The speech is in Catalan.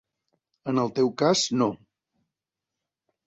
En el teu cas no.